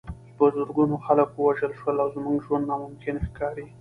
په زرګونو خلک ووژل شول او زموږ ژوند ناممکن ښکاري